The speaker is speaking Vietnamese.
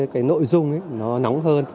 cái nội dung nó nóng hơn